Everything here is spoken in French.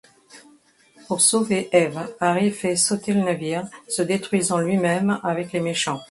Pour sauver Eve, Harry fait sauter le navire, se détruisant lui-même avec les méchants.